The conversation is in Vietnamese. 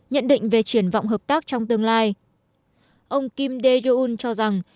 nhận định về triển vọng hợp tác trong tương lai ông kim dae joo cho rằng